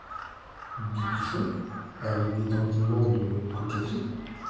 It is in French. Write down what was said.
Bibichon, avec des dandinements de coquetterie.